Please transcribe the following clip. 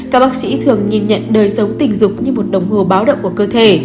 các bác sĩ thường nhìn nhận đời sống tình dục như một đồng hồ báo động của cơ thể